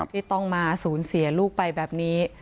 ที่ต้องมาสูญเสียลูกไปแบบนี้